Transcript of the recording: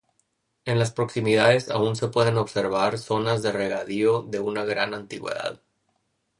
En las proximidades aún se pueden observar zonas de regadío de una gran antigüedad.